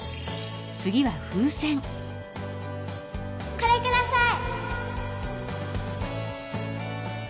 これください！